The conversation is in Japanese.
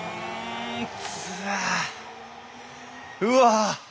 うわ！